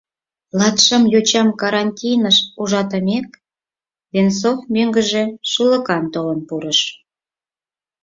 Латшым йочам карантиныш ужатымек, Венцов мӧҥгыжӧ шӱлыкан толын пурыш.